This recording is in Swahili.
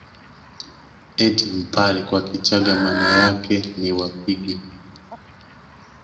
Eti mpare kwa Kichaga maana yake ke ni wapige